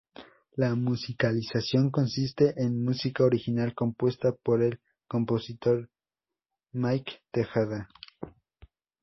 La musicalización consiste en música original compuesta por el compositor Micky Tejada.